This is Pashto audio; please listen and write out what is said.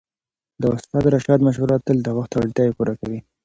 د استاد رشاد مشوره تل د وخت اړتياوې پوره کوي.